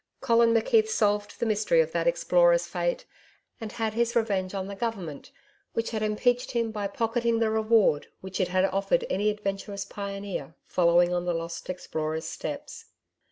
Colin McKeith solved the mystery of that explorer's fate and had his revenge on the Government which had impeached him by pocketing the reward which it had offered any adventurous pioneer following on the lost explorer's steps.